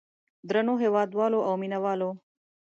درنو هېوادوالو او مینه والو.